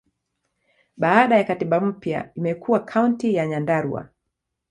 Baada ya katiba mpya, imekuwa Kaunti ya Nyandarua.